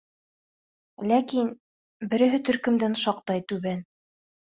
Ләкин... береһе төркөмдән шаҡтай түбән.